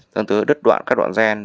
dẫn tới đứt đoạn các đoạn gen